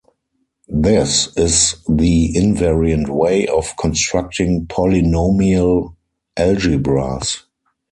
This is the invariant way of constructing polynomial algebras.